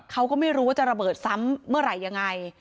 เขาก็ไม่รู้ว่าจะระเบิดซ้ำเมื่อไหร่ยังไง